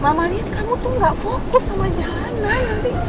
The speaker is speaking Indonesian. mama lihat kamu tuh gak fokus sama jalanan